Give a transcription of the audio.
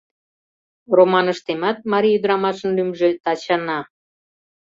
Романыштемат марий ӱдырамашын лӱмжӧ — Тачана.